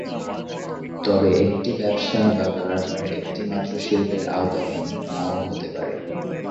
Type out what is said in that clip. তবে একটি ব্যবসা বা কারবার একটিমাত্র শিল্পের আওতাধীন না-ও হতে পারে।